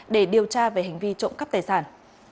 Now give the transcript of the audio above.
để điều tra về hành vi trộm cắp tài sản